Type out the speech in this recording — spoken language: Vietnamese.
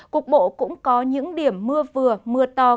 cục bộ cũng có những điểm mưa vừa mưa to